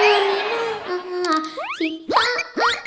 สิทธิ์ภาย